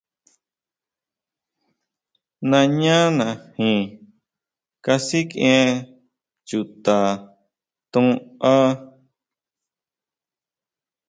Nañánaji kasikʼien chuta ton á.